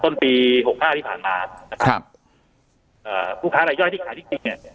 ต้นปีหกห้าที่ผ่านมานะครับเอ่อผู้ค้ารายย่อยที่ขายที่จริงเนี่ย